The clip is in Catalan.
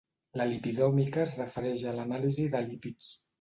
La lipidòmica es refereix a l'anàlisi de lípids.